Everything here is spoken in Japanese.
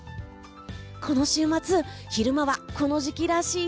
この週末昼間はこの時期らしい